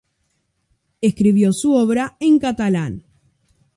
Escribió su obra en catalán.